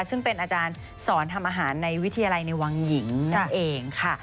ซึ่งเป็นอาจารย์สอนทำอาหารในวิทยาลัยในวังหญิงนั่นเองค่ะ